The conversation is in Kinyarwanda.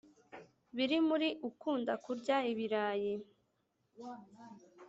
buri muri ukunda kurya ibirayi